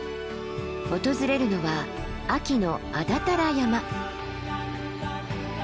訪れるのは秋の安達太良山。